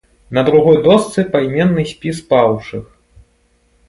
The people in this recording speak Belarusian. На другой дошцы пайменны спіс паўшых.